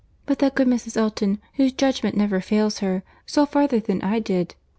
—but that good Mrs. Elton, whose judgment never fails her, saw farther than I did.